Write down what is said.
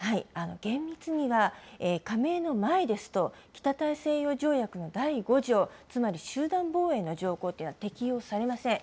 厳密には、加盟の前ですと、北大西洋条約の第５条、つまり集団防衛の条項というのは適用されません。